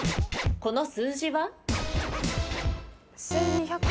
この数字は？